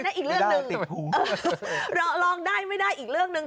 อันนั้นอีกเรื่องหนึ่งลองได้ไม่ได้อีกเรื่องหนึ่ง